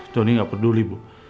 doni nggak peduli bu